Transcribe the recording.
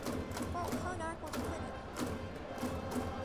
Falk Harnack was acquitted.